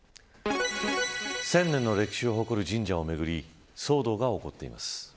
１０００年の歴史を誇る神社をめぐり騒動が起こっています。